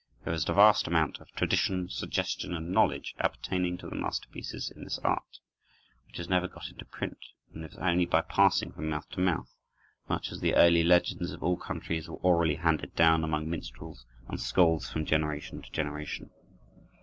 There is a vast amount of tradition, suggestion, and knowledge appertaining to the masterpieces in this art, which has never got into print, and lives only by passing from mouth to mouth, much as the early legends of all countries were orally handed down among minstrels and skalds from generation to generation.